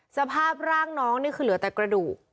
สภาพร่างน้องนี่คือเหลือแต่กระดูก